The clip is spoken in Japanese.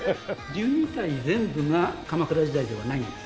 １２体全部が鎌倉時代ではないんです。